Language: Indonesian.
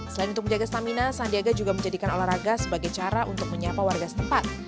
selain untuk menjaga stamina sandiaga juga menjadikan olahraga sebagai cara untuk menyapa warga setempat